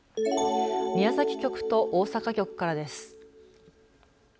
宮崎局と大阪局からです。